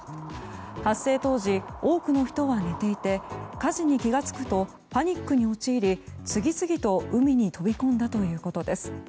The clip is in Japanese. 発生当時、多くの人は寝ていて火事に気が付くとパニックに陥り次々と海に飛び込んだということです。